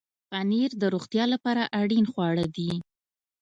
پنېر د روغتیا لپاره اړین خواړه دي.